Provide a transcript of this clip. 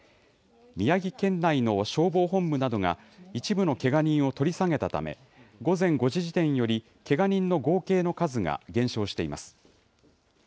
宮城県内の消防本部などが一部のけが人を取り下げたため、午前５時時点よりけが人の合計の数が減少しています。